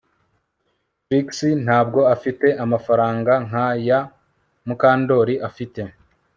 Trix ntabwo afite amafaranga nkaya Mukandoli afite